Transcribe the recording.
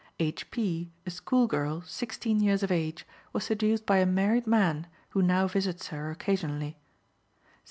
H. P., a school girl, sixteen years of age, was seduced by a married man who now visits her occasionally.